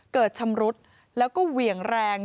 ชำรุดแล้วก็เหวี่ยงแรง